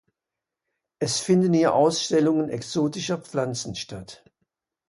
Es finden hier Ausstellungen exotischer Pflanzen statt.